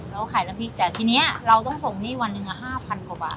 เราขายน้ำพริกแต่ทีนี้เราต้องส่งหนี้วันหนึ่ง๕๐๐กว่าบาท